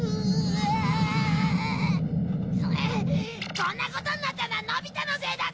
こんなことになったのはのび太のせいだぞ！